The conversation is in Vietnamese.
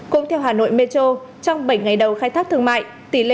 cũng theo hà nội metro trong bảy ngày đầu khai thác thương mại